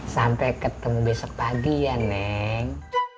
sampai ketemu besok pagi ya neng